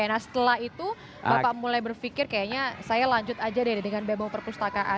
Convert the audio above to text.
nah setelah itu bapak mulai berpikir kayaknya saya lanjut aja deh dengan bebo perpustakaan